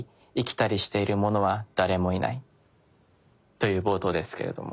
という冒頭ですけれども。